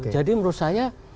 jadi menurut saya